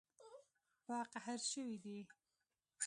په قهر شوي دي